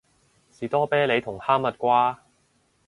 士多啤梨同哈蜜瓜